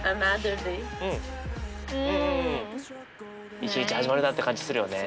一日始まるなって感じするよね。